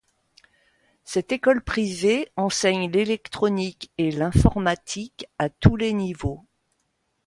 Cette école privée enseigne l'électronique et l'informatique à tous les niveaux.